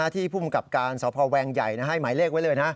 ภูมิกับการสพแวงใหญ่ให้หมายเลขไว้เลยนะ